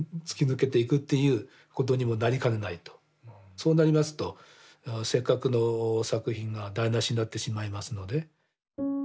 そうなりますとせっかくの作品が台なしになってしまいますので。